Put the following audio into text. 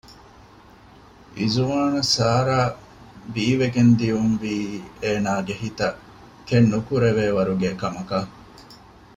އިޒުވާނަށް ސާރާ ބީވެގެން ދިޔުންވީ އޭނަގެ ހިތަށް ކެތްނުކުރެވޭވަރުގެ ކަމަކަށް